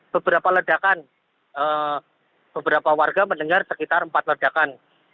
seberapa warga mendengar sekitar empat ledakan